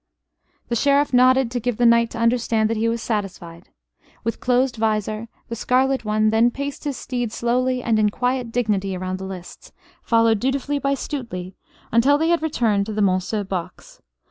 The Sheriff nodded to give the knight to understand that he was satisfied. With closed visor the scarlet one then paced his steed slowly and in quiet dignity around the lists, followed dutifully by Stuteley, until they had returned to the Monceux box.